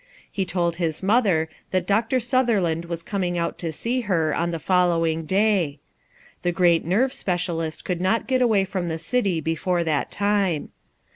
He told his mother that Dr. Sutherland was coming out to see her on the following day. , The great nerve specialist could not get aw ay f rom the city before that time.